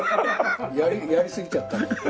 やりすぎちゃったの。